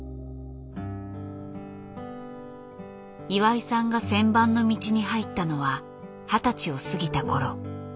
岩井さんが旋盤の道に入ったのは二十歳を過ぎた頃。